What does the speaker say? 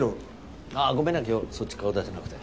あっごめんな今日そっち顔出せなくて。